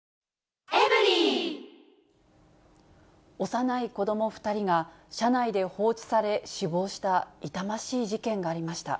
幼い子ども２人が、車内で放置され、死亡した痛ましい事件がありました。